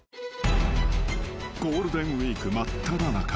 ［ゴールデンウイーク真っただ中］